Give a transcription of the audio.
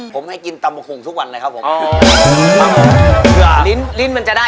ผมให้กินตามบคุงทุกวันเลยครับผมหรือนิ้นมันจะได้